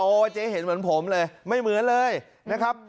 เจ๊เห็นเหมือนผมเลยไม่เหมือนเลยนะครับ